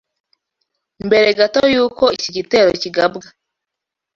Mbere gato y’uko iki gitero kigabwa